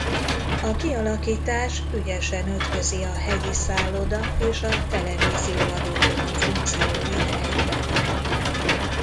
A kialakítás ügyesen ötvözi a hegyi szálloda és a televízió-adótorony funkcióit egyben.